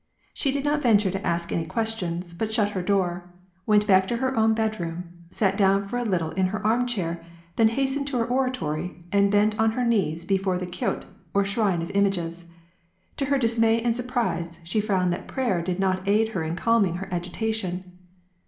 She did not venture to ask any questions, but shut her door, went back to her own bed room, sat down for a little in her arm chair, then hastened to her oratoiy, and bent on her knees before the kiot or shrine of images. To her dismay and surprise, she found that prayer did not aid her in calming her agitation.